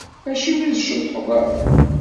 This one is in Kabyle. Acimi ur tceṭṭḥeḍ ara?